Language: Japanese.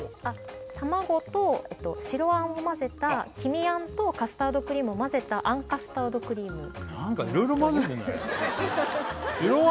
卵と白餡を混ぜた黄身餡とカスタードクリームを混ぜた餡カスタードクリーム白餡